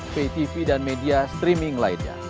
vtv dan media streaming lainnya